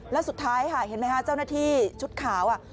แล้วสุดท้ายค่ะเห็นไหมคะเจ้าหน้าที่ชุดขาว